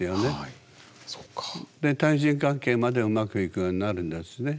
で対人関係までうまくいくようになるんですね。